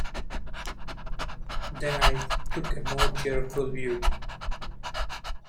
Then I took a more cheerful view.